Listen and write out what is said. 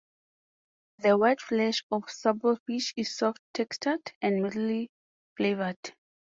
The white flesh of the sablefish is soft-textured and mildly flavored.